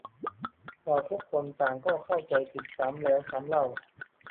เราทุกคนต่างก็เข้าใจผิดซ้ำแล้วซ้ำเล่า